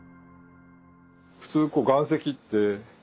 普通岩石ってパカ